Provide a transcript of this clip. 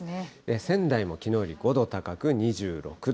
仙台もきのうより５度高く２６度。